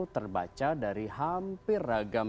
terbaca dari hampir ragam